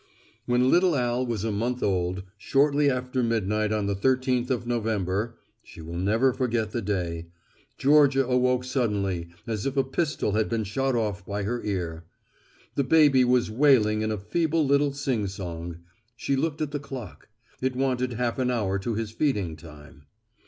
When little Al was a month old, shortly after midnight on the thirteenth of November she will never forget the day Georgia awoke suddenly as if a pistol had been shot off by her ear. The baby was wailing in a feeble little singsong. She looked at the clock. It wanted half an hour to his feeding time.